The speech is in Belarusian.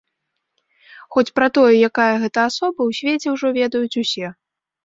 Хоць пра тое, якая гэта асоба, у свеце ўжо ведаюць усе.